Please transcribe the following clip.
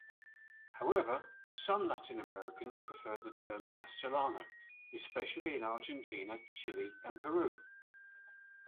However, some Latin Americans prefer the term "castellano", especially in Argentina, Chile, and Peru.